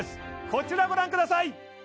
こちらご覧ください